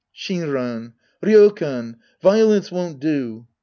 Shinran. Ry5kan ! Violence won't do